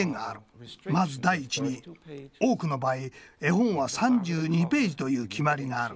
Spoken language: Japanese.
まず第一に多くの場合絵本は３２ページという決まりがある。